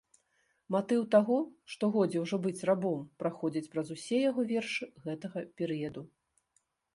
Матыў таго, што годзе ўжо быць рабом, праходзіць праз усе яго вершы гэтага перыяду.